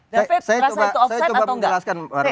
david rasa itu offside atau enggak